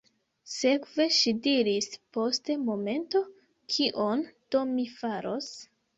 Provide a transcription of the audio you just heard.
Sekve, ŝi diris post momento, kion do mi faros?